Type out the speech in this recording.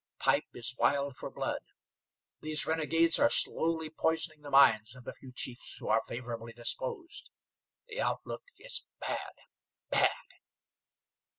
Pipe is wild for blood. These renegades are slowly poisoning the minds of the few chiefs who are favorably disposed. The outlook is bad! bad!"